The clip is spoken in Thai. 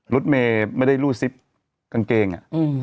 รถเมย์ไม่ได้รูดซิปกางเกง